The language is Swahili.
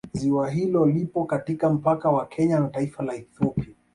Ziwa hili lipo katika mpaka wa Kenya na taifa la Ethiopia